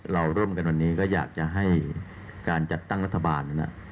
เราร่วมกันวันนี้ก็อยากจะให้การจัดตั้งรัฐบาลนะ